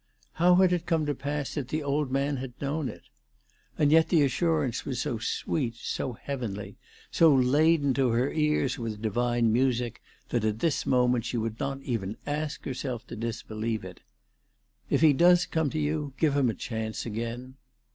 How had it come to pass that the old man had known it ? And yet the assurance was so sweet, so heavenly, so laden to her ears with divine music, that at this moment she would not even ask herself to disbelieve it. "If he does come to you, give him a chance again."